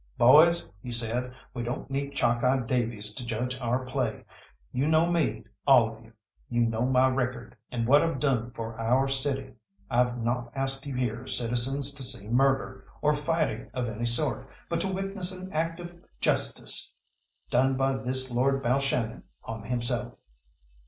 "Boys," he said, "we don't need Chalkeye Davies to judge our play. You know me, all of you; you know my record, and what I've done for our city. I've not asked you here, citizens, to see murder, or fighting of any sort, but to witness an act of justice done by this Lord Balshannon on himself."